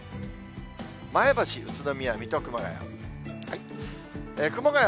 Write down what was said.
前橋、宇都宮、水戸、熊谷。